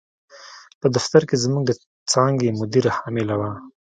په دفتر کې زموږ د څانګې مدیره حامله وه.